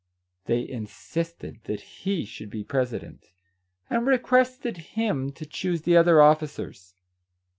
They insisted that he should be president, and requested him to choose the other officers.